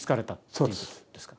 ということですか？